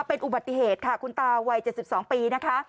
เป็นอุบัติเหตุค่ะคุณตาวัย๗๒ปีนะคะ